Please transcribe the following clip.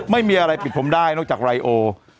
ไม่มีอะไรปิดผมได้นอกจากไรโอ